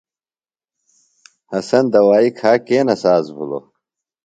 حسن دوائی کھا کینہ ساز بِھلوۡ ؟